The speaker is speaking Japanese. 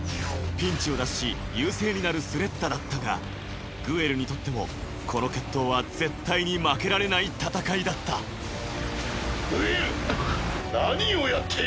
ピンチを脱し優勢になるスレッタだったがグエルにとってもこの決闘は絶対に負けられない戦いだったグエル何をやっている！